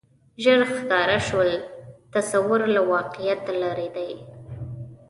ژر ښکاره شول تصور له واقعیته لرې دی